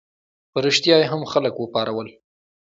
په ریشتیا یې هم خلک وپارول.